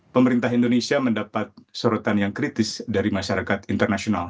pemerintah indonesia mendapat sorotan yang kritis dari masyarakat internasional